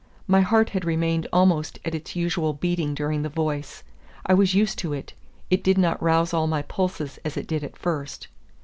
My heart had remained almost at its usual beating during the voice. I was used to it; it did not rouse all my pulses as it did at first.